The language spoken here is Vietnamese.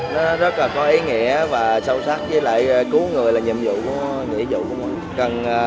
nó rất là có ý nghĩa và sâu sắc với lại cứu người là nhiệm vụ của mình